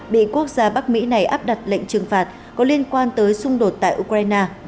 bị quốc gia bắc mỹ này áp đặt lệnh trừng phạt có liên quan tới xung đột tại ukraine